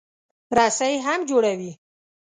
رسۍ هم جوړوي.